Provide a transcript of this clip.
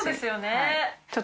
えっ？